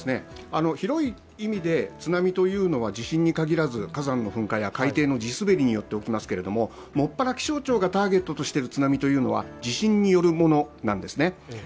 広い意味で、津波というのは地震に限らず火山の噴火や海底の地滑りによって起きますけれども、もっぱら気象庁がターゲットとしている津波は地震によるものなんですね。